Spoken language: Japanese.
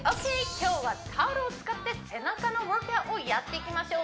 今日はタオルを使って背中のワークアウトをやっていきましょう